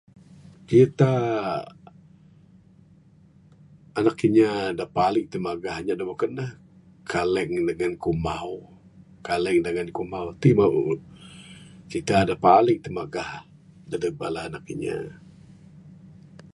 Kita anak inya da paling timagah inya da beken lah pernah kaleng dangan kumau ti dangan cirita da paling timagah dadeg bala anak inya.